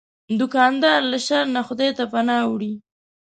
دوکاندار له شر نه خدای ته پناه وړي.